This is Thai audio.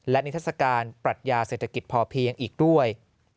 และนิทัศกาลปรัชญาเศรษฐกิจพอเพียงอีกด้วย